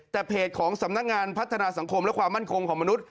แต่เพจของสำนักงานพัฒนาสังคมและความมั่นคงของมนุษย